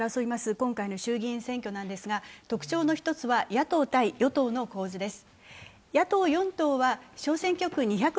今回の衆議院選挙なんですが、特徴の１つは、野党対与党の構図です。